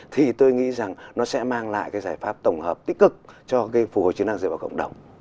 thì tôi nghĩ rằng nó sẽ mang lại cái giải pháp tổng hợp tích cực cho cái phù hồi chức năng dựa vào cộng đồng